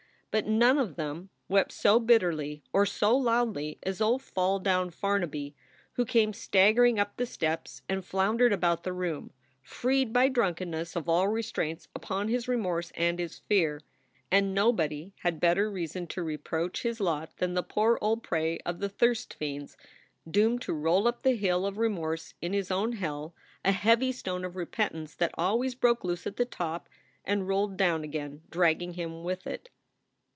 But none of them wept so bitterly or so loudly as old Fall down Farnaby, who came staggering up the steps and floundered about the room, freed by drunkenness of all restraints upon his remorse and his fear. And nobody had better reason to reproach his lot than the poor old prey of the thirst fiends, doomed to roll up the hill of remorse in his own hell a heavy stone of SOULS FOR SALE 25 repentance that always broke loose at the top and rolled down again, dragging him with it.